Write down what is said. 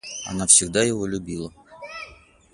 Она всегда его любила.